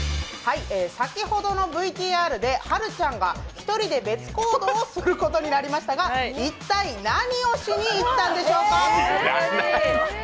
先ほどのＶＴＲではるちゃんが１人で別行動することになりましたが一体、何をしに行ったんでしょうか？